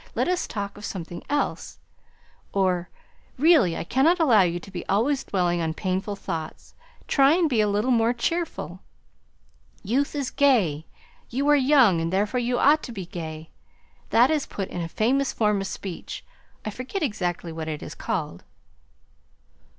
Let us talk of something else;" or, "Really I cannot allow you to be always dwelling on painful thoughts. Try and be a little more cheerful. Youth is gay. You are young, and therefore you ought to be gay. That is put in a famous form of speech; I forget exactly what it is called."